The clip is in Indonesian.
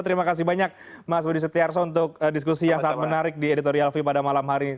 terima kasih banyak mas budi setiarso untuk diskusi yang sangat menarik di editorial view pada malam hari ini